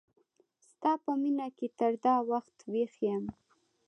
ستا په مینه کی تر دا وخت ویښ یم